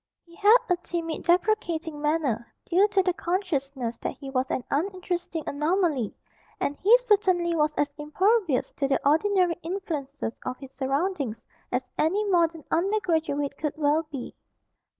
He had a timid deprecating manner, due to the consciousness that he was an uninteresting anomaly, and he certainly was as impervious to the ordinary influences of his surroundings as any modern under graduate could well be.